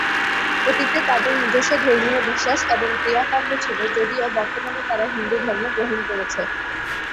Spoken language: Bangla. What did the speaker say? অতীতে তাঁদের নিজস্ব ধর্মীয় বিশ্বাস এবং ক্রিয়া-কাণ্ড ছিল যদিও বর্তমানে তাঁরা হিন্দু ধর্ম গ্রহণ করেছে।